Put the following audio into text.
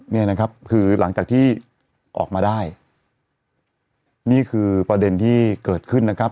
เนี่ยนะครับคือหลังจากที่ออกมาได้นี่คือประเด็นที่เกิดขึ้นนะครับ